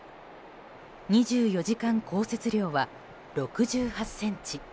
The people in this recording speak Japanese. ２４時間降雪量は６８ｃｍ。